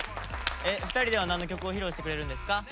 ２人では何の曲を披露してくれるんですか？